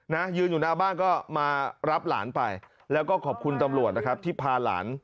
ยืนอยู่หน้าบ้านก็มารับหลานไปแล้วก็ขอบคุณตำรวจนะครับที่พาหลาน